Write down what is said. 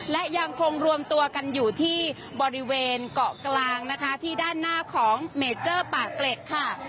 และยังคงรวมตัวกันอยู่ที่บริเวณเกาะกลางนะคะที่ด้านหน้าของเมเจอร์ปากเกร็ดค่ะ